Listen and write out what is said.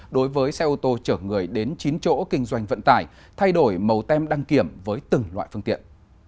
đối với xe ô tô chở người đến chín chỗ kinh doanh vận tải thay đổi màu tem đăng kiểm với từng loại phương tiện